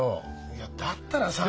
いやだったらさ。